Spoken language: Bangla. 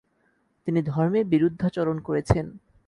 তিনি ধর্মের বিরুদ্ধাচরণ করেছেন।